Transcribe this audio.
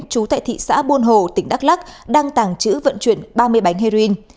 chú tại thị xã buôn hồ tỉnh đắk lắc đang tàng trữ vận chuyển ba mươi bánh heroin